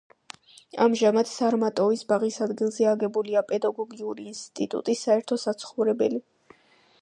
ამჟამად სარმატოვის ბაღის ადგილზე აგებულია პედაგოგიური ინსტიტუტის საერთო საცხოვრებელი.